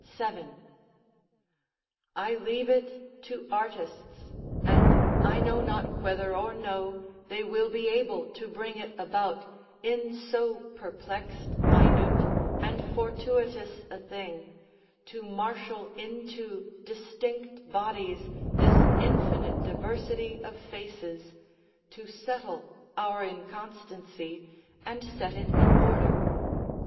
7.] I leave it to artists, and I know not whether or no they will be able to bring it about, in so perplexed, minute, and fortuitous a thing, to marshal into distinct bodies this infinite diversity of faces, to settle our inconstancy, and set it in order.